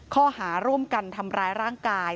ข้อหาร่วมกันทำร้ายร่างกาย